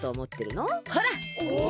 ほら！